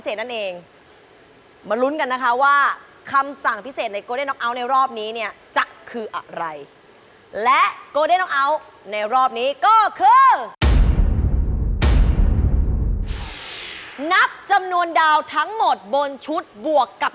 ยิ่งมีโอกาสผ่านเข้ารอบสู่แจ็คพอตมากเท่านั้นครับ